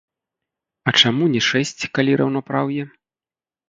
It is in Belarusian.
А чаму не шэсць, калі раўнапраўе?